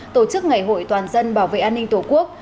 tổ chức ngày hội toàn dân bảo vệ an ninh tổ quốc